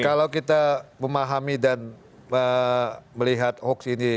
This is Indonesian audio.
kalau kita memahami dan melihat hoax ini